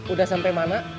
udah sampai mana